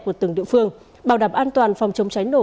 của từng địa phương bảo đảm an toàn phòng chống cháy nổ